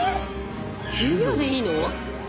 １０秒でいいの？